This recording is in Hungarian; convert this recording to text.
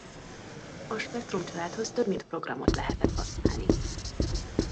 A Spectrum családhoz több mint programot lehetett használni.